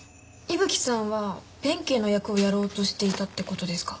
伊吹さんは弁慶の役をやろうとしていたって事ですか？